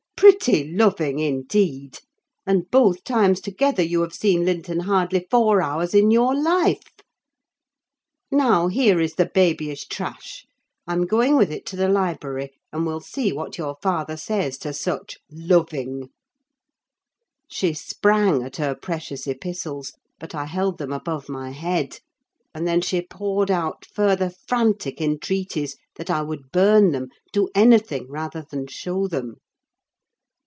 Pretty loving, indeed! and both times together you have seen Linton hardly four hours in your life! Now here is the babyish trash. I'm going with it to the library; and we'll see what your father says to such loving." She sprang at her precious epistles, but I held them above my head; and then she poured out further frantic entreaties that I would burn them—do anything rather than show them.